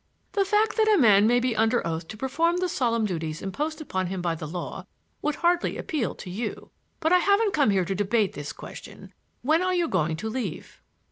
"The fact that a man may be under oath to perform the solemn duties imposed upon him by the law would hardly appeal to you. But I haven't come here to debate this question. When are you going to leave?"